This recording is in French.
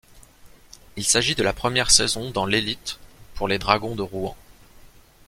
Il s'agit de la première saison dans l'Élite pour les Dragons de Rouen.